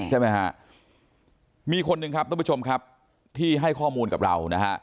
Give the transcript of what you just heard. ใช่ไหมฮะมีคนหนึ่งครับทุกผู้ชมครับที่ให้ข้อมูลกับเรานะฮะ